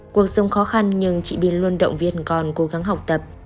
cuộc sống khó khăn nhưng chị biên luôn động viên con cố gắng học tập